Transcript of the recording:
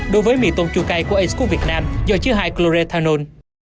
đối với mì tôm chua cay của a cook việt nam do chứa hai coroethanol